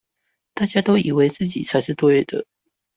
大家都以為自己才是對的